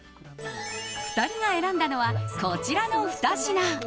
２人が選んだのはこちらの２品。